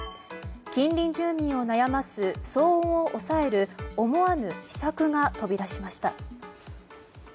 近隣住民を悩ます騒音を抑える思わぬ秘策が飛び出しました。